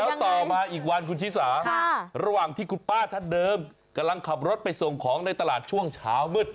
แล้วต่อมาอีกวันคุณชิสาระหว่างที่คุณป้าท่านเดิมกำลังขับรถไปส่งของในตลาดช่วงเช้ามืด